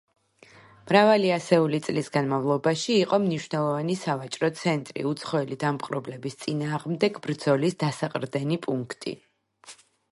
მრავალი ასეული წლის განმავლობაში იყო მნიშვნელოვანი სავაჭრო ცენტრი, უცხოელი დამპყრობლების წინააღმდეგ ბრძოლის დასაყრდენი პუნქტი.